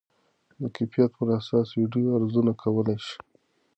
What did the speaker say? د کیفیت پر اساس ویډیو ارزونه کولی شئ.